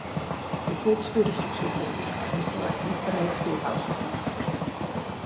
Before the school districts were formed, the historic Mycenae Schoolhouse was used.